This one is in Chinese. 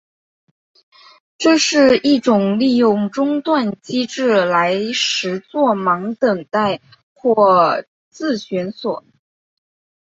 这是一种利用中断机制来实作忙等待或自旋锁。